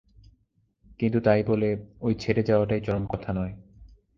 কিন্তু তাই বলে ঐ ছেড়ে-যাওয়াটাই চরম কথা নয়।